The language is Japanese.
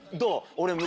俺。